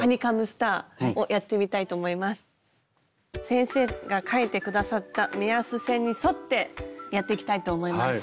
先生が描いてくださった目安線に沿ってやっていきたいと思います。